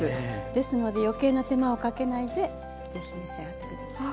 ですので余計な手間をかけないでぜひ召し上がってください。